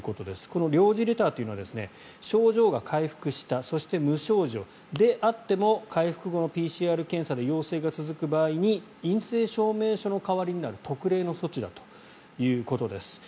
この領事レターというのは症状が回復したそして、無症状であっても回復後のＰＣＲ検査で陽性が続く場合に陰性証明書の代わりになる特例の措置だということです。